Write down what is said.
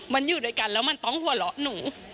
มันอยู่ด้วยกันแล้วมันต้องหัวเราะหนู